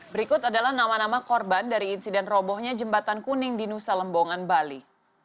berikut adalah nama nama korban dari insiden robohnya jembatan kuning di nusa lembongan bali